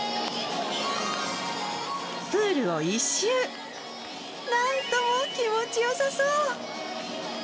プールを１周、なんとも気持ちよさそう。